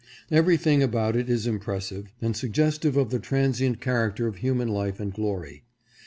Every thing about it is impressive, and suggestive of the tran sient character of human life and glory.